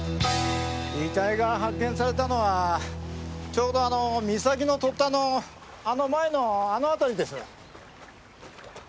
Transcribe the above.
遺体が発見されたのはちょうどあの岬の突端のあの前のあの辺りです。